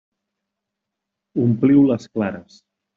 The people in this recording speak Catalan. Ompliu les clares.